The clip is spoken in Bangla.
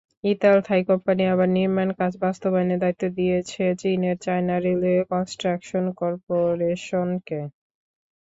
ইতাল-থাই কোম্পানি আবার নির্মাণকাজ বাস্তবায়নের দায়িত্ব দিয়েছে চীনের চায়না রেলওয়ে কনস্ট্রাকশন করপোরেশনকে।